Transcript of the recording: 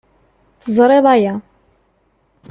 Teẓriḍ aya.